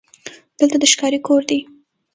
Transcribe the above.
دلته د ښکاري کور دی: